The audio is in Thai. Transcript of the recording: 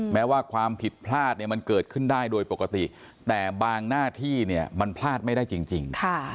แม้ว่าความผิดพลาดเนี่ยมันเกิดขึ้นได้โดยปกติแต่บางหน้าที่เนี่ยมันพลาดไม่ได้จริง